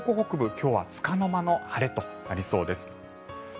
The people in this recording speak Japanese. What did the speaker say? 今日はつかの間の晴れとなりそうです。